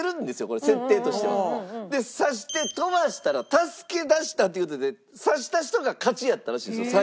これ設定としては。でさして飛ばしたら助け出したという事でさした人が勝ちやったらしいんですよ